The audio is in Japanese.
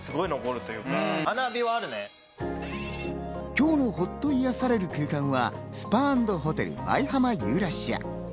今日のほっと癒やされる空間はスパ＆ホテル舞浜ユーラシア。